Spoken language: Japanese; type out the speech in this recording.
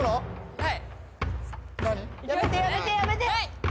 はい。